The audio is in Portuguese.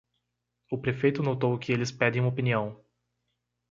O prefeito notou que eles pedem uma opinião.